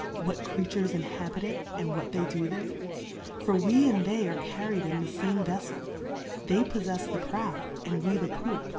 What Creatures inhabit it, and what they do there ? For we and they are carryM in the fame VelTel : They polTefs the Prow, and we the Pbop.